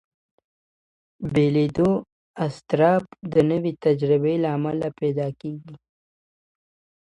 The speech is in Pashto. بېلېدو اضطراب د نوې تجربې له امله پیدا کېږي.